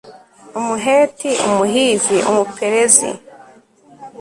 umuheti, umuhivi, umuperezi